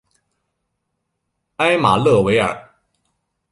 埃马勒维尔。